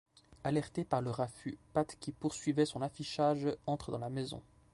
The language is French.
Alerté par le raffut, Pat qui poursuivait son affichage entre dans la maison.